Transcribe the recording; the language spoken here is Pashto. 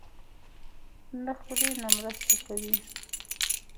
نه خوري، نه مرسته کوي.